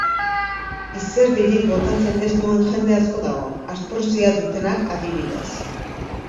Izerdirik botatzen ez duen jende asko dago, artrosia dutenak, adibidez.